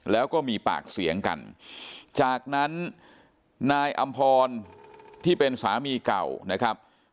แล้วก็มีปากเสียงกันจากนั้นนายอำพรที่เป็นสามีเก่านะครับ